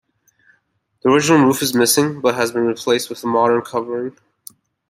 The original roof is missing but has been replaced with a modern covering.